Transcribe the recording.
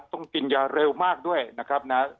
ต้องกินยาเร็วมากด้วยนะครับนะ